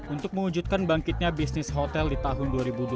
untuk mewujudkan bangkitnya bisnis hotel di tahun dua ribu dua puluh